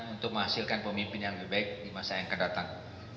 untuk menghasilkan pemimpin yang lebih baik di masa yang akan datang